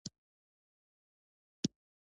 تقدیرنامه په عمومي ډول درې ډوله ده.